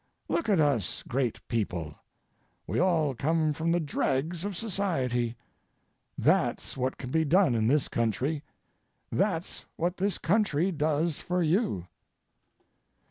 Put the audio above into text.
Look at us great people—we all come from the dregs of society. That's what can be done in this country. That's what this country does for you.